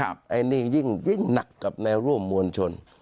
อันนี้ยิ่งหนักกับแนวร่วมมวลชน